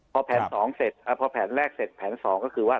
พอแผนสองเสร็จเอ่ยพอแผนแรกเสร็จแผนสองก็คือว่า